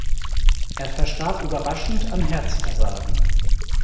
Er verstarb überraschend an Herzversagen.